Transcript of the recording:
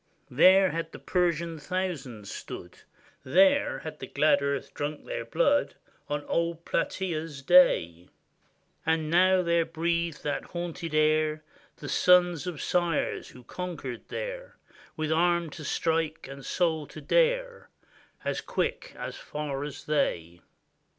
There had the Persian's thousands stood. There had the glad earth drunk their blood On old Plat£ea's day; 223 GREECE And now there breathed that haunted air The sons of sires who conquered there, With arm to strike and soul to dare, As quick, as far as they.